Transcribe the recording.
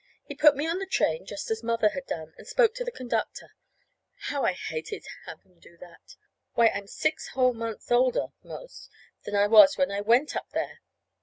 He put me on the train, just as Mother had done, and spoke to the conductor. (How I hated to have him do that! Why, I'm six whole months older, 'most, than I was when I went up there!)